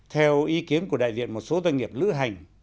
theo ý kiến của đại diện một số doanh nghiệp lữ hành